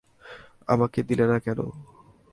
আমাকে দিলে না কেন?